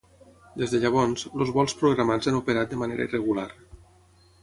Des de llavors, els vols programats han operat de manera irregular.